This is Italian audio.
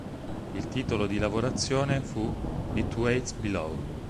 Il titolo di lavorazione fu "It Waits Below".